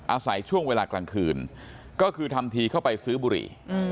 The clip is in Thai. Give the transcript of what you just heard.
อาศัยช่วงเวลากลางคืนก็คือทำทีเข้าไปซื้อบุหรี่